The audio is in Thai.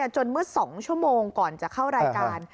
จนเมื่อ๒ชั่วโมงก่อนจะเข้ารายการ